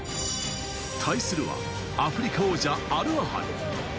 対するは、アフリカ王者アルアハリ。